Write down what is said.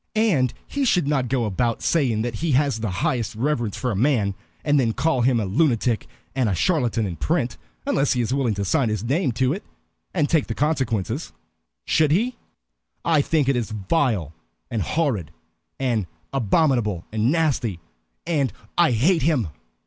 And he should not go about saying that he has the highest reverence for a man, and then call him a lunatic and a charlatan in print, unless he is willing to sign his name to it, and take the consequences. Should he? I think it is vile, and horrid, and abominable, and nasty, and I hate him."